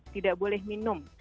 tidak boleh minum